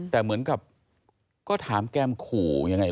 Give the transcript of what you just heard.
แต่เหมือนกับก็ถามแก้มขู่ยังไง